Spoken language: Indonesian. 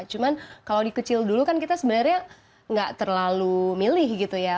cuman kalau di kecil dulu kan kita sebenarnya nggak terlalu milih gitu ya